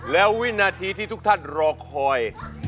แล้ววินาทีที่ทุกท่านรอคอย